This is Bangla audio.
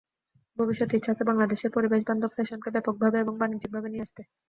ভবিষ্যতে ইচ্ছা আছে বাংলাদেশেই পরিবেশবান্ধব ফ্যাশনকে ব্যাপকভাবে এবং বাণিজ্যিকভাবে নিয়ে আসতে।